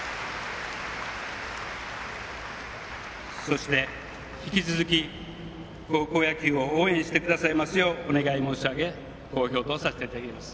そして、引き続き高校野球を応援してくださいますようお願い申し上げ講評とさせていただきます。